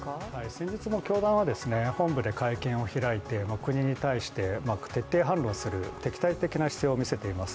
先日も教団は本部で会見を開いて国に対して、徹底反論する、敵対的な姿勢を見せています。